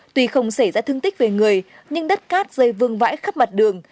tuy không xảy ra thương tích về người nhưng đất cát rơi vương vãi khắp mặt đường